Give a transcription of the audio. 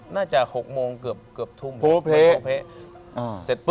น่าที่๖โมงเทพแล้ว